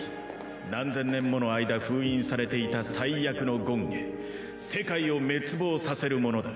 何千年もの間封印されていた災厄の権化世界を滅亡させるものだ。